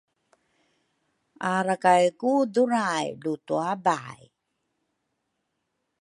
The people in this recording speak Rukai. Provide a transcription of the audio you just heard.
arakay ku duray lu tuabay